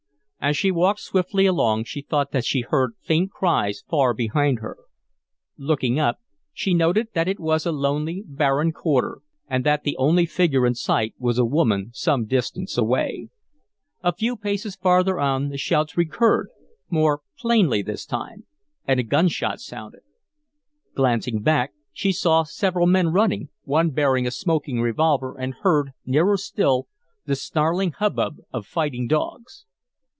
As she walked swiftly along she thought that she heard faint cries far behind her. Looking up, she noted that it was a lonely, barren quarter and that the only figure in sight was a woman some distance away. A few paces farther on the shouts recurred more plainly this time, and a gunshot sounded. Glancing back, she saw several men running, one bearing a smoking revolver, and heard, nearer still, the snarling hubbub of fighting dogs.